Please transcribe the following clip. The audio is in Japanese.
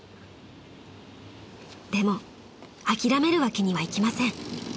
［でも諦めるわけにはいきません］